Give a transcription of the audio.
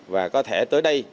và có thể tới đây